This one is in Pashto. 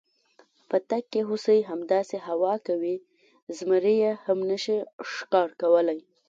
په تګ کې هوسۍ، همداسې هوا کوي، زمري یې هم نشي ښکار کولی.